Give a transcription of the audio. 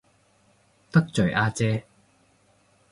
得罪阿姐